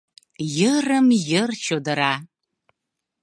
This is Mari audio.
Йырым-йыр чодыра.